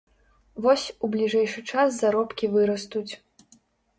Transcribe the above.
Вось, у бліжэйшы час заробкі вырастуць.